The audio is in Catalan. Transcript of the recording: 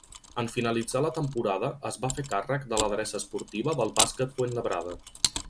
En finalitzar la temporada es va fer càrrec de l'adreça esportiva del Bàsquet Fuenlabrada.